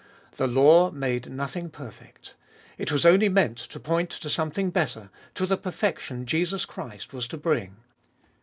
The law made nothing perfect : it was only meant to point to something better, to the perfection Jesus Christ was to bring.